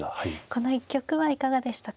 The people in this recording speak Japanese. この一局はいかがでしたか。